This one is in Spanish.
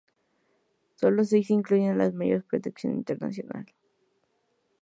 Solo se incluyen las de mayor proyección internacional.